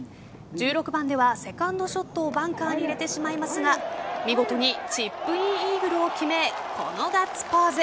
１６番ではセカンドショットをバンカーに入れてしまいますが見事にチップインイーグルを決めこのガッツポーズ。